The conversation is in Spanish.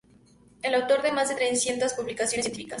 Es autor de más de trescientas publicaciones científicas.